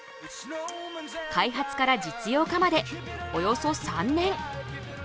開発から実用化までおよそ３年。